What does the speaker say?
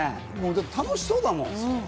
楽しそうだもん。